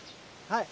はい。